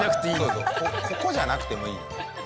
ここじゃなくてもいいのよ。